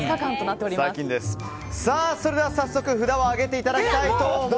それでは早速、札を上げていただきます。